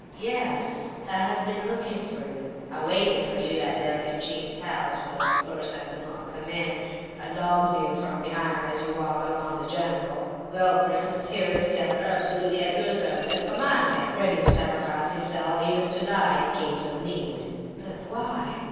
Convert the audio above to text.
"Yes, I've been looking for you. I waited for you at the Epanchins' house, but of course I could not come in. I dogged you from behind as you walked along with the general. Well, prince, here is Keller, absolutely at your service—command him!—ready to sacrifice himself—even to die in case of need." "But—why?"